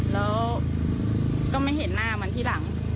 แล้วก็ไม่เห็นหน้ามันทีหลัง